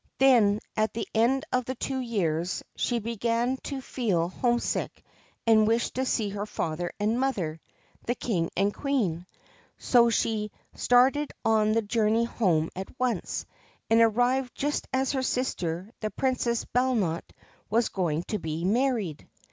Then, at the end of the two years, she began to feel homesick and wished to see her father and mother, the King and Queen ; so she THE GREEN SERPENT started on the journey home at once, and arrived just as her sister the Princess Bellote was going to be married.